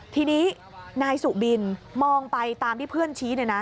ทีนี้นายสุบินมองไปตามที่เพื่อนชี้